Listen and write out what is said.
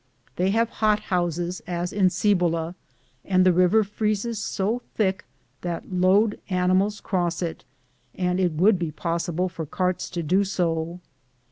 They have hot houses, aa in Cibola, and the river freezes so thick that loaded animals cross it, and it would be possible for carts to do so.